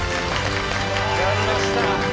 やりました。